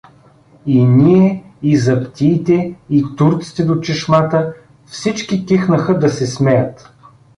И ние, и заптиите, и турците до чешмата, всички кихнаха да се смеят.